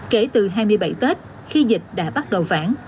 kể từ hai mươi bảy tết khi dịch đã bắt đầu phản